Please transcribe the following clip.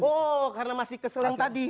oh karena masih keserung tadi